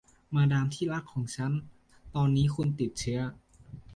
มาดามที่รักของฉัน ตอนนี้คุณติดเชื้อ